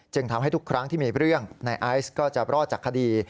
ทำให้ทุกครั้งที่มีเรื่องในไอซ์ก็จะรอดจากคดี